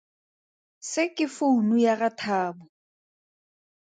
Se ke founu ya ga Thabo.